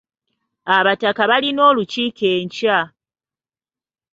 Abataka balina olukiiko enkya.